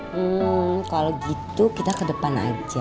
hmm kalau gitu kita ke depan aja